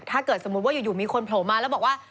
ถ้าเกิดสมมุติว่าอยู่มีคนโผล่มาแล้วบอกว่า